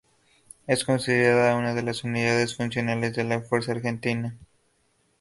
Es considerada una de las unidades fundacionales de la fuerza argentina.